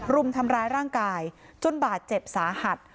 รุมทำร้ายร่างกายจนบาดเจ็บสาหัส